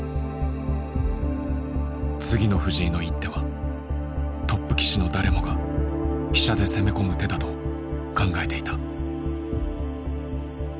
次の藤井の一手はトップ棋士の誰もが飛車で攻め込む手だと考えていた。